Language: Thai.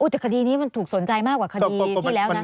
แต่คดีนี้มันถูกสนใจมากกว่าคดีที่แล้วนะ